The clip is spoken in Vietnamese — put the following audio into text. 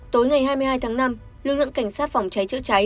tối ngày hai mươi hai tháng năm lực lượng cảnh sát phòng cháy chữa cháy